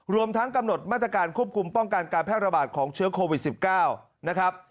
รวมทั้งกำหนดมาตรการควบคุมป้องกันการแพร่ระบาดของเชื้อโควิด๑๙นะครับ